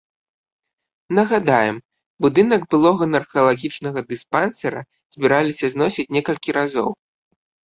Нагадаем, будынак былога наркалагічнага дыспансера збіраліся зносіць некалькі разоў.